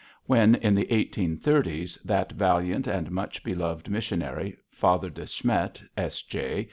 When, in the 1830's, that valiant and much beloved missionary, Father De Smet, S.J.